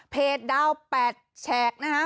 เพจดาว๘แชกนะฮะ